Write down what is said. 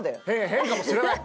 変かもしれない。